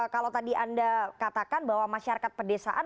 kalau tadi anda katakan bahwa masyarakat pedesaan